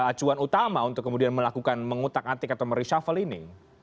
acuan utama untuk kemudian melakukan mengutak atik atau mereshuffle ini